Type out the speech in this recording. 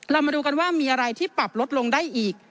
เรามาดูกันว่ามีอะไรที่ปรับลดลงได้อีก